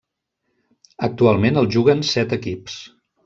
Actualment el juguen set equips.